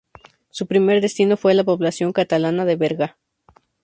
Su primer destino fue a la población catalana de Berga.